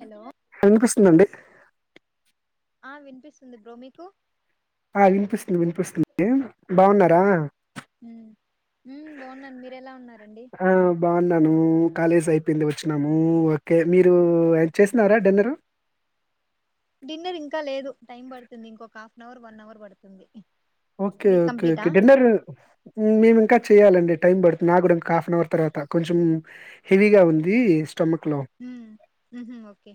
Hello వినిపిస్తుంది అండి ఆ వినిపిస్తుంది బ్రో మీకు ఆ వినిపిస్తుంది వినిపిస్తుంది అండి బాగున్నార దా [inaudible] ఉ బాగున్నాను మీరు ఎలా ఉన్నారండి నను కాలేజ్ అయిపోయింది వచ్చినాను ఓకే మీరు చేసినార డిన్నర్ డిన్నర్ ఇంకా లేదు టైం పడుతుంది ఇంకొక half an hour one hour పడుతుంది ఓకే మీది ఓకే కంప్లీటా ఓకే డిన్నర్ మేము ఇంకా చెయ్యాలండి టైం పడుతుంది నాక్కూడా ఒక హాఫ్ అన్ అవర్ తర్వాత కొంచెం హెవీగా ఉంది స్టమక్ లో మ్మ్ ఉహు ఓకే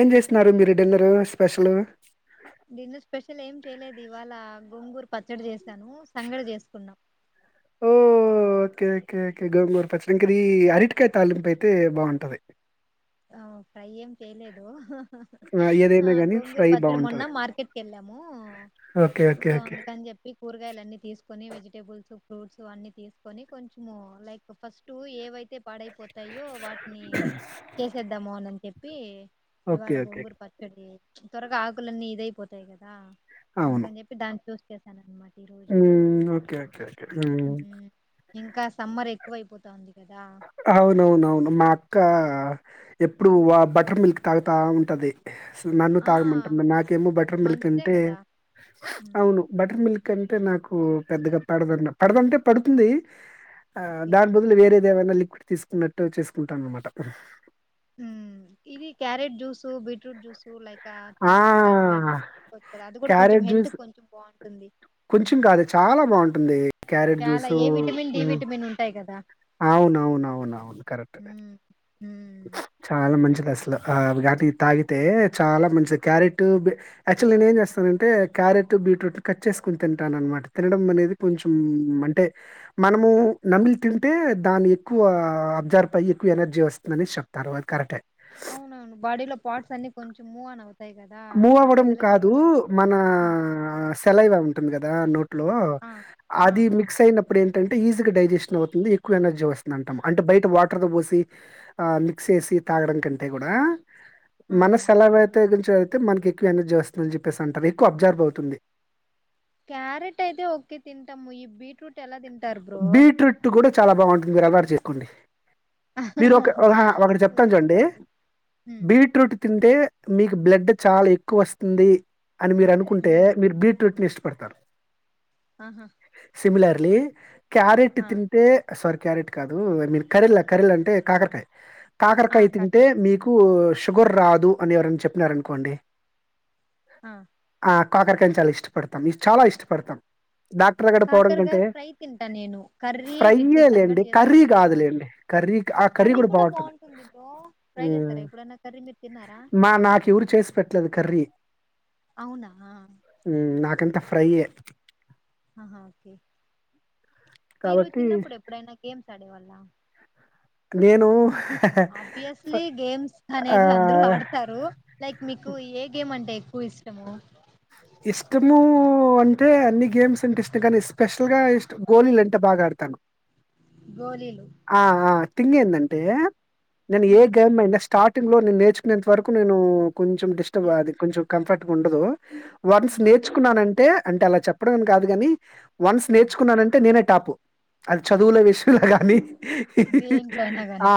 ఏం చేస్తున్నారు మీరు డిన్నారు స్పెషల్ లు డిన్నర్ స్పెషల్ ఏం చేయలేదు ఇవాళ గొంగూర్ పచ్చడి చేస్ ా [unintelligible] ను సంగడి చేసుకున్నా ఓ ఓకే ఓకే ఓకే గోంగూర పచ్చడి ఇంకాది అరటికాయ తాలింపు అయితే బాగుంటది ఆ ప్రై ఏం చేయలేదు ఆ ఏదైనా గానీ గొంగూర ఫ్రై పచ్చడి మొన్న బాగుంటది మార్కెట్కి వెళ్ళాము ఓకే ఓకే సో ఓకే అందుకని చెప్పి కూరగాయలు అన్నీ తీసుకొని వెజిటేబుల్స్ ఫ్రూట్స్ అన్నీ తీసుకొని కొంచెము లైక్ ఫస్ట్ ఏవైతే పాడైపోతాయో వాటిని ద్దమోనని చెప్పి ఓకే ఇవాళ ఓకే గోంగూర పచ్చడి త్వరగా ఆకులన్నీ ఇదైపోతాయి కదా అందుకని చెప్పి దాన్ని చూస్ చెస్ అన్నమాట మ్ ఓకే ఓకేే మ్ ఎక్కువైయపోతుంది అవునవునవును మా అక్క ఎప్పుడు ఆ బటర్ మిల్క్ తాగుతా ఉంటుది నన్ను ఆ తాగమంటంది నాకేమో బటర్ మిల్క్ మంచిదే అంటే కదా ఉమ్, అవును బటర్ మిల్క్ ఎందుకంటే నాకు పెద్దగా పడద పడదంటే పడుతుంది ఆ ఓకే దాని బదులు వేర దేవనాలి ఒకాటి తీసుకున్నట్టు చేసుకుంటాన అన్నమాట హ ఇది క్యారెట్ జ్యూసు బీట్రూట్ జ్యూస్ సు లైక్ ఆ! సంథింగ్ అలాంటివి ఏమ వస్తుా అది కూడా కొంచెం క్యారెట్ హెల్త్ జ్యూస్ కొంచెం బాగుంటంది వుంధి కొంచెం కాదు చాలా బాగుంటుంది క్యారెట్ చాలా juice A vitamin D vitamin ఉంటాయి కదా అవును అవును అవును అవును కరెక్ట్ ఉమ్ ఉమ్ చాలా మంచి స్లో కానీ తాగితే చాలా మంచిది క్యారెట్ అక్వుచాలి నేను ఏం చేస్తానంటే క్యారెట్ బీట్రూట్లు కాచి చేసుకుని తింటాను అనమాట తినడం అనేది కొంచెం అంటే మనము నమిలి తింటే దాన్ని ఎక్కువ అబ్జార్బ్ అయి ఎక్కువ ఎనర్జీ వస్తుందని చెప్తారు అది కరెక్టే అవును అవును బాడీలో పార్ట్స్ అన్ని కొంచెం మూవ్ అన అవ్వచ్చు మూవ్ అవ్వడం కాదు మన ఉమ్, సెలైవ ఉంటుంది కదా దా నట్ టిలూ ఆ ఆ అది ఆ మిక్స్ అయినప్పుడు ఎ ఆంటె ఈజీగా డైజెస్షన్ అవుతుంది ఎక్కువ ఎనర్జీ వస్తుంది అంటాం అంటే బయట వాటర్తో పోసి మిక్స్ చేేసి తాగడం కంటే కూడా ఆ మనస్సు ఎలా వ్యాయితే చే అయితే మనకి ఎక్కువ ఎనర్జీ వస్తుందని చెప్పేసి అంటారు ఎక్కువ అబ్జర్బ్ అవుతుంది క్యారెట్ అయితే ఒకే తింటాము ఈ బీట్రూట్ ఎలా తింటారు బ్రో బీట్రూట్ కూడా చాలా బాగుంటుంది రదారు చేస్త కుండి మీరు ఒక ఒక చెప్తాను లైక్ చూడి ఫ్రై ఉమ్ బీట్రూట్ తి అంటే మీకు బ్లడ్ చాలా ఎక్కువ వస్తుంది అని మీరు అనుకుంటే ఉమ్ మీరు బీట్రూట్ ని ఇష్ట పడతారు ఆహా సిమిలర్లీ [unintelligible] క్యారెట్ ఆ తింటే సారి క్యారెట్ కాదు ఐ మీన్ కర్రీల కరీల అంటే కాకరకాయ్ ఆ కాకరకాయ తింటే కాకర మీకు షుగర్ రాదు అని ఎవరయిన చెప్పినారనుకోండి. ఆ ఆ! కాకరకాయని చాలా ఇష్టపడతాం ఇ చాలా ఇష్టపడతాం డాక్టర్ దగ్గడ పోవడం కాకరకాయ కంటే ఫ్రై తింటా నేను కర్రీ విత్ ఫ్రైయే లేండి. సంగటి కర్రీ చేసుకుంటే బాగుంటుంది కాదులేండి. కర్రీ ఆ కర్రీ కూడా బావుంటది. బాగుంటుంది బ్రో ట్రై హ్మ్. చేసారా ఎప్పుడన్నా కర్రీ మీరు తిన్నారా మా నాకెవరు చేసి పెట్టలేదు కర్రీ. అవునా నాకంత ఫ్రైయ్యే ఆహా ఓకే మీరు కాబట్టి చిన్నప్పుడు ఎప్పుడైనా గేమ్స్ ఆడేవాళ్ళ నేను ఫ ఆబ్వియస్లీ గేమ్స్ అనేది అందరు ఆహ్, ఆడతారు లైక్ మీకు ఏ గేమ్ అంటే ఎ పోయొస్తము. ఇష్టము అంటే అన్ని గేమ్స్ అంటే ఇష్టం కానీ ఎస్పెషల్గా ఇష్ట గోళిలు అంటే బాగా ఆడతాను గోలీలు ఆ ఆ థింగ్ ఏంటంటే నేన్ ఏ గేమ్ అయిన శ్ స్టార్టింగ్లో నేను నేర్చుకునేంత వరకు నేను కొంచెం డిస్టర్బ్ అది కొంచెం కంఫర్ట్ గుండదు. వన్స్ ఆహా నేర్చుకున్నానంటే అంటే అలా చెప్పడంమని కాదు కాని వన్స్ ఆ. నేర్చుకున్నానంటే నేనే టాపు అది చదువుల విశ్శంలో గాని దేంట్లో అయినా కానీ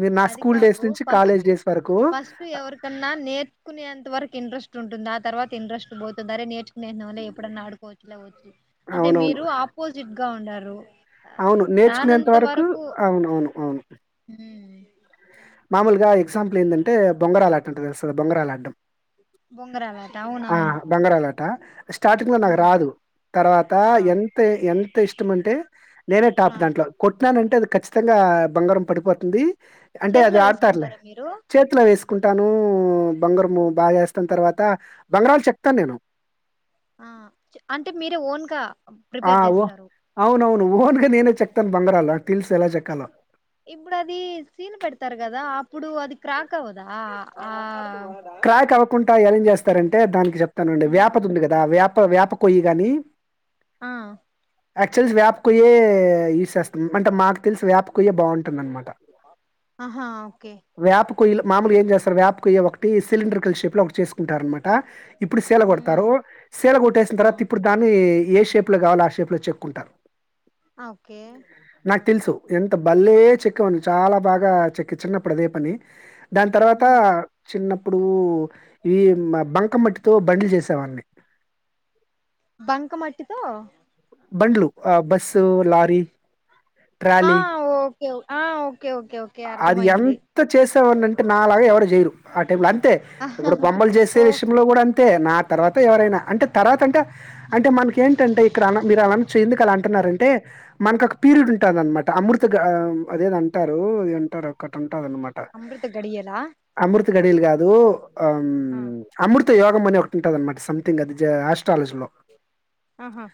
నేను నా అది స్కూల్ డేస్ కాదు నుంచి ఫస్ట్ కాలేజ్ డేస్ వరకు ఫస్ట్ ఎవరికన్నా నేర్చుకునేంత వరక్ ఇంట్రస్ట్ ఉంటుంది ఆ తర్వాతా ఇంట్రస్ట్ పోతుంది అరే నేర్చ్ నేనుళ్ళ ఎప్పుడన్నా ఆడుకోవచ్చులే వచ్చు అంటే అవునవును. మీరు ఆపోజిట్ గా ఉండారు. ఆ, అవును నేర్చుకునేంత వరకు అవునవును అవును. ఉమ్, మామూలుగా ఎగ్జాంపుల్ ఏందంటే బొంగరాలు ఆటంటే తెలుస బొంగరాలు ఆడ్డం. బొంగరాలట అవును అవును ఆట స్టార్టింగ్ లో నాకు రాదు తర్వాత ఆ ఎంత ఎం టే ఇష్టం అంటే నేనే టాప్ ఆ దాంట్లో కొట్న్నానంటే అంటే అది ఖచ్చితంగా బంగారం పడిపోతుంది అంటే చేతిలో అది ఆడతారులే వేసుకుంటారా మీరు చేట్లో వేసు చకుంటాను బంగరము బాగా చేస్తున్న తర్వాత బంగారలు చెప్తాను నేను ఆ అంటే మీరే ఓన్గా ప్రిపేర్ చేస్తారు ఊహన్ ననే చెక్తాన్ బంగరాలా తెల్స ఎలా చెక్కాల లో తార కదా అప్పుడు అది క్రాక్ క్కవుదా ఆ స్తారంటే దానికి చెప్ప తనండి వ్యాపతి ఉమ్, ఉంది కదా వ్యాప పా వ్యాపక పోయిి గాని ఆ యాక్చువల్ వ్యాప్కుయ్యే యూజ చేస్తాం అంటే మా తెలుసి వేప కొయ్య బాగుంటుందనమాట ఆహా ఓకే వేప కొయ్యలో ఏం చేస్తారు వేపా కొయ్య ఒకటి సిలిండర్ కల్ షేప్ లో ఒకటి చేసుకుంటారు అనమాట ఇప్పుడు సీల కొడతారు ఉమ్ సీల కొట్టేసిన ఆ, తర్వాత ఇప్పుడు దాన్ని ఏ షేప్ లో కావాలో ఆ షేప్ లో చెక్కుంటా అ ఓకే ఎంత బల్లే చెక్కవను చాలా బాగా చేక్కి చిన్నప్పుడు అదే పని దాన తర్వాత ఉమ్. చిన్న ఇప్పుడు ఈ బంక మట్టితో బడ్లు చేసేవాడిని బంక మట్టితో బండ్లు ఆ బస్సు లారి ఆ ఓ కె ఆ ఓకే ఓకే ఓకే అర్థమయింది తా వుంటే నాలగా ఎవరు చేయరు ఆ టైమ్ లో అంతే ఇప్పుడు బొమ్మలు చేసే ఓ విషయంలో కూడా అంతే అంతే నా తర్వాతే ఎవరైనా అంటే తర్వాత అంటే అంటే మనకి ఏంటంటే ఇక్కడ అన్న మీరు అనచూ ఎందుకు అలా అం అంటున్నారు అంటే మనకు ఒక పీరియడ్ ఉంటుంద అనమాట అమృత గాడ్ ఆ అదేదో అంటారు ఎంటారు ఒక్కటం టారు అన్న మాట అమృత గడియలా అమృత గడియలు కాదు అమ్ ఆ, అమృత తే యోగం అనే ఒకటి ఉంటంది అనమాట సంథింగ్ అది ఆస్ట్రాలజీ లో ఆహా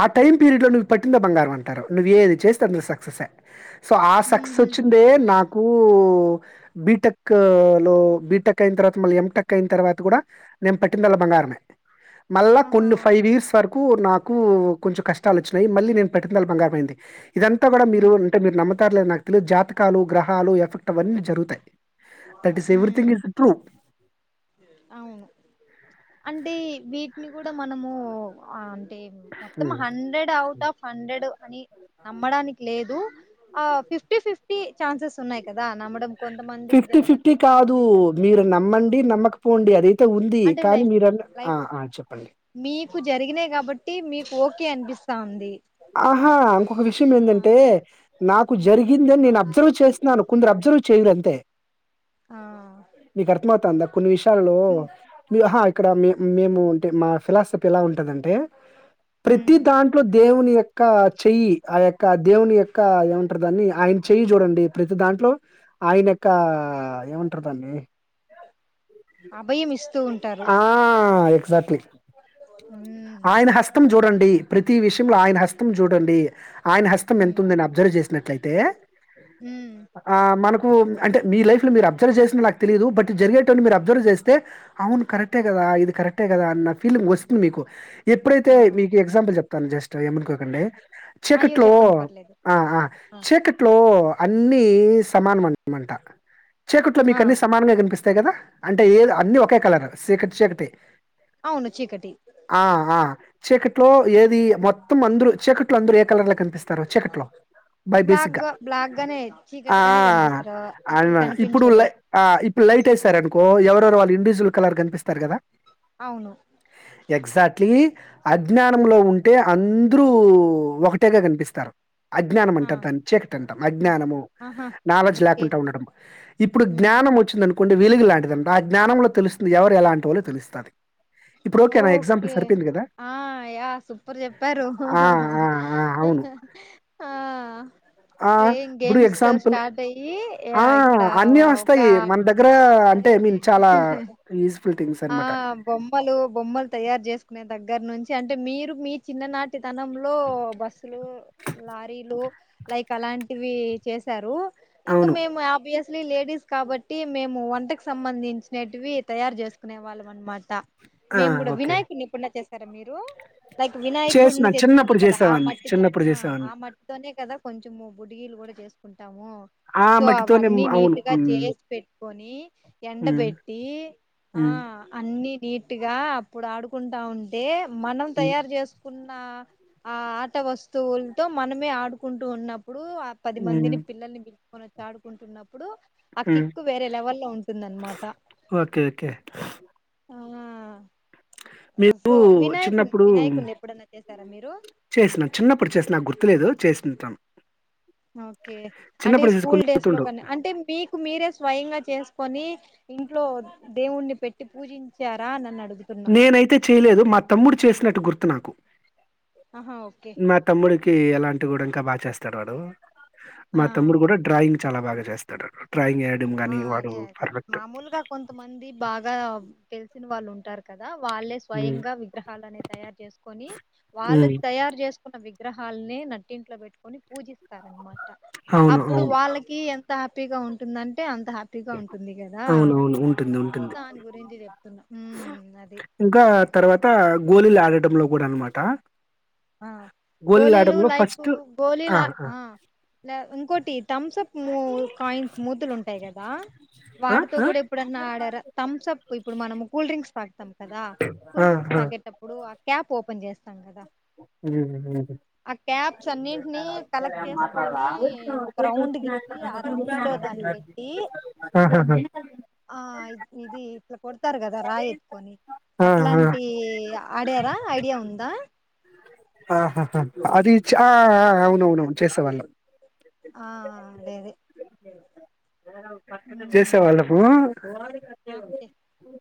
ఆ టైమ్ పీరియడ్ లో నువ్వు పట్టిందే బంగారం అంటారు నువ్వు ఏది చేస్తే అందులో సక్సెస్ ఏ సో ఆ సక్సస్ ఉహు చుండే నాకూ బిటెక్ లో బిటెక్ అయిన తర్వాత మళ్లీ ఎంటెక్ అయిన తర్వాత కూడా నే పట్టిందల్లా బంగారమే మళ్ళా ఆహా కొన్ని ఫైవ్ ఓకే ఇయర్స్ వరకు నాకు కు కొంచెం కష్టాలు వచ్చినాయి మళ్ళీ నేను పెట్టినందాల్ల బంగారమయింది. ఇదంతా కూడా మీరు ఉమ్ అంటే మీరు నమ్మర్ తర్ లేదో నాక్ తెలీదు జాత్ జాతకాలు గ్రహాలు ఎఫెక్ట్ అవన్నీ జరుగుతాయి. Thought is everything um, is true అవును అంటే వీటిని కూడా మనము అవ్ను టెం మొత్తం హ్మ్. హండ్రెడ్ అవుట్ ఆఫ్ హండ్రెడ్ అని నమ్మడానికి లేదు ఆ ఫిఫ్టీ ఫిఫ్టీ పి చాన్సెస్ ఉన్నాయి కదా దా నమ్మడం కొంతమందికి జరగచ్చు కాదు. కొంతమంది మీరు జరగచ్చు నమ్మండి, నమ్మకపోండి అదైతే ఉంది అంటే కానీ లైఫ్ మీరన్న ఆ లైఫ్ ఆ చెప్పండి టి మీకు ఓకే అనిపిస్ తా ఉంది ఆహా ఇంకొక విషయం ఏందంటే నాకు జరిగింది అని నేను అబ్జర్వ్ చేస్తున్నాను కొందరు అబ్జర్వ్ చెయ్యరు అంతే మీకు అర్థం ఔతాఉందా కొన్ని విష్ టల్లో ఉమ్ [unintelligible] ఇక్కడ మే మేము ఉంటే మా ఫిలాసఫీ ఎలా ఉంటదంటే ప్రతి ఉమ్, దాంట్లో దేవుని యొ క్క చెయ్యి ఆ యొక్క దేవుని యొక్క ఏమంటారు దాన్ని ఆయన చెయ్యి చూడండి ప్రతి దాంట్లో ఆయన యొక్క ఏమంటారు దాన్ని అభయం ఇస్తూన్ ఆ ఆ ఎక్సాక్ట్లీ ఉమ్ ఆయన హస్తం చూడండి ప్రతి విషయంలో ఆయన హస్తం చూడండి ఆయన హస్తం ఎంత ఉమ్ ఉందిని అబ్జర్వ్ చేసినట్లయితే ఉమ్ ఆ మనక్ ఉమ్ అంటే మీ లైఫ్ లో మీరు అబ్జర్వ్ చేసినా నాకు తెలీదు బట్ జరిగేటువన్నీ మీరు అబ్జర్వ్ చేస్తే అవును కరెక్టే కదా ఇది కరెక్టే కదా అన్న ఫీలింగ్ వస్తుంది మీకు ఎప్పుడైతే ఆ మీకు ఎగ్జాంపుల్ చెప్ తను జస్ట్ ఏమనుకోకండి అయ్యో చీకట్లో చెప్పండి పర్లేదు ఆ ఆ చీకట్లో అన్నీ సమానమన్ మాట చికట్లో ఆ మీకు అన్ని సమానమే గనిపిస్ కదా అంటే ఏ ద్ అన్ని ఓక్ కల సీకటి చీకటి అవును చీకటి ఆ ఆ చీకట్లో ఆ ఏది మొత్ మొందరు అందరు చీకట్లో అందరు ఏ కలర్ కనిపిస్ తర్వా చీకట్లో బై బ్లాక్ బేసిగ్గా గా బ్లాక్ గానే ఆ చీకటిగానే కనిపిస్తారు అసలు అల్మా ఇప్పుడు కనిపించరు లై లైట్ వేశారనుకో ఎవరు సార్ వాల్ హిందీస్ జుల్ కలర్ కనిపిస్తారు కదా అవును ఎక్జాక్ట్లీ అజ్ఞానంలో ఉంటే అందరూ ఒకటేగా కనిపిస్తారు అజ్ఞానం ఆ అంటారు దాన్ని చీకటి అంటాం ఆ అజ్ఞానము ఆహా నాలెడ్జ్ ఓకే లేకుండా ఉండటమ్ ఇప్పుడు ఉమ్ జ్ఞానం వచ్చినాన్ కొండి వీలింగ్ లాంటిది ఆ జ్ఞానమునక్ తెలుస్తుది ఎవరు ఎలాంటి వాళ్ ఓ తెలుస్త అది ఓకే ఆ యా సూపర్ చెప్పారు ఆ! ఆ! ఆ! అవును. ఆ ఆ ప్లేయింగ్ ఇప్పుడు గేమ్స్ తో ఎగ్జాంపుల్ స్టార్ట్ అయ్యి యా, ఆ ఇక్కడ అన్నీ ఒక వస్తాయి మన దగ్గర అంటే అదే ఐ అదే మీన్ చాలా ఈజ ఆ బొమ్మలు బొమ్మలు తయారు చేసుకునే దగ్గర నుంచి అంటే మీరు మీ చిన్న నాటి తనంలో బస్సులు లారీలు లైక్ అలాంటివి చేసారు ఇంగ అవును. మేము అభిస్ లీ లేడీస్ కాబట్టి మేము వంటకు సంబంధించినేటివి తయారు చెస్ కునే వాళ్ళం అనమాట ఆ! మేము కూడా ఓకే. వినాయకుడిని ఎప్పుడన్న చేసారా మీరు లైక్ చేసిన వినాయకుడిని తెచ్చుకునే చిన్నప్పుడు కదా ఆ చేసేవాడిని. మట్టితో చిన్నప్పుడు చేసేవాడిని. ఆ మట్టితోనే కదా కొంచెం బుడిగీలు కూడా చేసు ము ఆ సో మట్టితోనే అవన్నీ హ్మ్. అవును. నీట్గా హ్మ్. చేసి పెట్టుకొని ఎండబెట్టి ఆ ఉం అన్ని నీట్ గా అప్పుడు ఆడుకుంటా ఉంటే మనం హ్మ్. తయారు చేసు కున్న ఆ ఆట వస్తువులతో మనమే ఆడుకుంటూ ఉన్నప్ ప్పుడు ఆ పది హ్మ్. మందిని పిల్లల్ని పిలుసుకొన తాడుకుంటున్నప్పుడు ఆ హ్మ్. కిక్కు వేరే లెవెల్ లో ఉంటుందన్నమాట ఓకే. ఓకే. ఆ మీరు సో వినాయకుని చిన్నప్పుడు వినాయకుడిని ఎప్పుడన్నా చేసారా మీరు చేసిన చిన్నప్పుడు చేసిన నా గుర్తులేదు చేసి ఇంత్రం ఓకే అంటే ఈ చిన్నప్పుడు స్కూల్ డేస్ లో గుర్తుండవు. కానీ అంటే మీకు మీరే స్వయంగా చేసుకొని ఇంట్లో దేవుణ్ణి పెట్టి పూజించారా అని అన్నాడు నేనైతే చేయలేదు మా తమ్ముడు చేసినట్టు గుర్ నాకు ఆహా ఓకే మా తమ్ముడికి ఎలాం టి కూడా ఇంకా బాగా చేస్తాడు వాడు మా ఆ తమ్ముడు కూడా డ్రయింగ్ చాలా బాగా చేస్తాడు డ్రాయింగ్ ఏయడం ఆ గాని వాడు అదే అదే పర్ఫెక్ట్. మామూలుగా కొంతమంది బాగా తెలిసిన వాళ్ళు ఉంటారు కదా వాళ్ళే హ్మ్. స్వయంగా విగ్రహాలనే తయారు చేసుకొని వాళ్ళు హ్మ్. తయారు చేసుకున్న వి విగ్రహాలేని నట్టింట్లో పెట్టుకొని పూజిస్త స్తారనమాట అవును. అప్పుడు అవును. వాళ్ళకి ఎం త హ్యాపీగా ఉంటుందని టే హ్యాపీగా ఉంటుంది కదా అవునవును. ఉంటుంది. ఉంటుంది. దాని గురించి చెప్ ఇంకా తర్వాత గోలీలు ఆడటంలో కూడా అనమాట ఆ గోళీలు గోలీలు ఆడటంలో లైకు ఫస్ట్ ఆ గోలీలా ఆ అ ఉంకోటి తమ్స్ అప్ ము కాయిన్స్ ముతులుంటాయి కదా ఆ వాటితో కూడా ఇప్పుడన్నా ఆడరా థమ్స్ అప్ ఇప్పుడు మనము కూల్ డ్రింక్స్ తాగుతాం కదా ఆ ఆ కూల్ డ్రింక్స్ ఆ! తాగేటప్పుడు ఆ క్యాప్ ఓపె పన్ చేేస్తాంగాద హ్మ్. హ్మ్. ఆ క్యాప్స్ అన్నింటినీ కలెక్ట్ చేసుకొని ఒక రౌండ్ గచ్చి ఆ రౌండ్ లో దాన్ని పెట్టి ఆహాహా ఆ ఇది ఇట్లా కొడతారు కదా రాయి ఎత్కొని ఆహా అట్లాంటి అడేరా ఐడియా ఉందా ఆహాహ అది ఆ అవునవునవును చేసేవాళ్ళం ఆ లేది నాకు తె చేసేవాళ్ళపు